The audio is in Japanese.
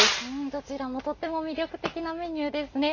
どちらもとても魅力的なメニューですね。